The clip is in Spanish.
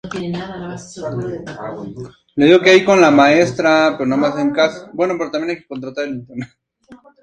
Se trata de una iglesia cuya mayor originalidad radica en su estructura.